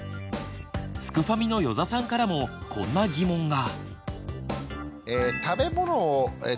すくファミの余座さんからもこんな疑問が。